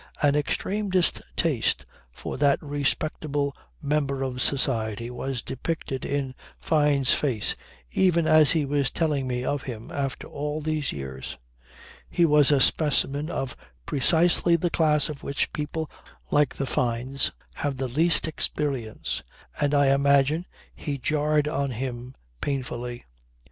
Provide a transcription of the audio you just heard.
An extreme distaste for that respectable member of society was depicted in Fyne's face even as he was telling me of him after all these years. He was a specimen of precisely the class of which people like the Fynes have the least experience; and I imagine he jarred on them painfully.